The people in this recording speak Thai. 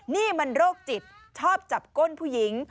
นี่มันโรคจิตชอบจับก้นผู้หญิง